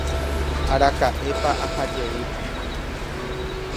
araka'épa aha jeýta